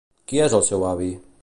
Qui és el seu avi?